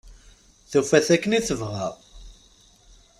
Tufa-t akken i tebɣa.